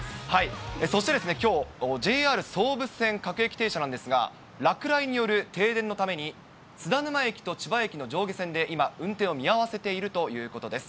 そして、きょう、ＪＲ総武線各駅停車なんですが、落雷による停電のために、津田沼駅と、千葉駅の間で、上下線で今、運転を見合わせているということです。